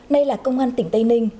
nay là công an tỉnh tây ninh